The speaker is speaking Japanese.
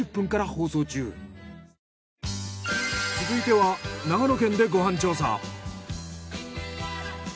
続いては長野県でご飯調査。